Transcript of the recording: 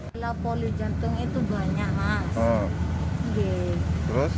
pilihan poliklinik jantung itu banyak mas